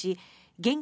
現金